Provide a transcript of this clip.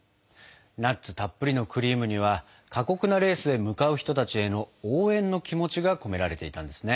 ナッツたっぷりのクリームには過酷なレースへ向かう人たちへの応援の気持ちが込められていたんですね。